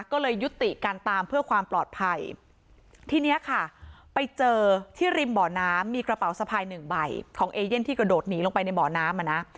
ก็เลยยุติการตามเพื่อความปลอดภัยทีเนี้ยค่ะไปเจอที่ริมบ่อน้ำมีกระเป๋าสะพายหนึ่งใบของเอเย่นที่กระโดดหนีลงไปในบ่อน้ำอ่ะนะ